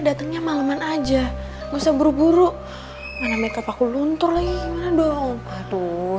datangnya malaman aja nggak usah buru buru mana makeup aku luntur lagi gimana dong aduh